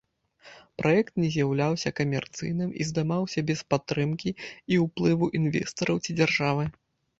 Праект не з'яўляўся камерцыйным і здымаўся без падтрымкі і ўплыву інвестараў ці дзяржавы.